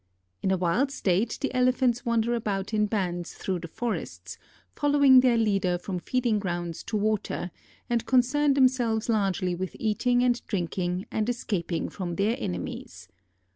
In a wild state the Elephants wander about in bands through the forests, following their leader from feeding grounds to water, and concern themselves largely with eating and drinking and escaping from their enemies.